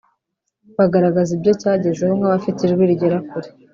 bagaragaza ibyo cyagezeho nk’abafite ijwi rigera kure